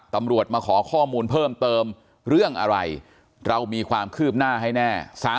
ตำรวจมาขอข้อมูลเพิ่มเติมเรื่องอะไรเรามีความคืบหน้าให้แน่